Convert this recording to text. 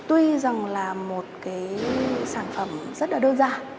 tuy rằng là một cái sản phẩm rất là đơn giản